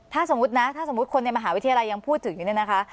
ถ้าสมมุตินะถ้าสมมุติคนในมหาวิทยาลัยยังพูดถึงอยู่เนี่ยนะคะ